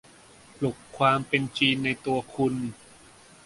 ปลุกความเป็นจีนในตัวคุณ